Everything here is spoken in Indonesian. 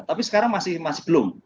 tapi sekarang masih belum